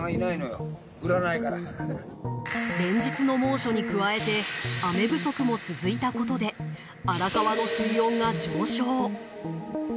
連日の猛暑に加えて雨不足も続いたことで荒川の水温が上昇。